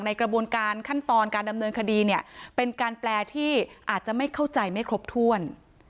กระบวนการขั้นตอนการดำเนินคดีเนี่ยเป็นการแปลที่อาจจะไม่เข้าใจไม่ครบถ้วน